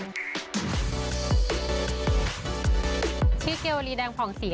ที่เกลวรีแดงผ่องศรี